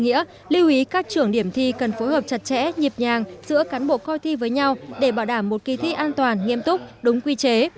nguyễn lưu ý các trưởng điểm thi cần phối hợp chặt chẽ nhịp nhàng giữa cán bộ coi thi với nhau để bảo đảm một kỳ thi an toàn nghiêm túc đúng quy chế